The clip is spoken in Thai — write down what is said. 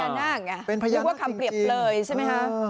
เป็นพญานาคจริงกันคือว่าครำเปรียบเลยใช่ไหมค่ะ